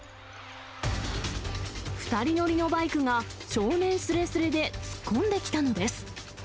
２人乗りのバイクが少年すれすれで突っ込んできたのです。